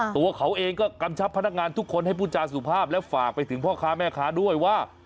ตัวเขาเองก็กำชับพนักงานทุกคนให้พูดจาสุภาพและฝากไปถึงพ่อค้าแม่ค้าด้วยว่า